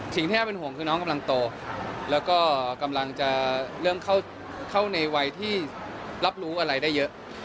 น่าเป็นห่วงคือน้องกำลังโตแล้วก็กำลังจะเริ่มเข้าในวัยที่รับรู้อะไรได้เยอะ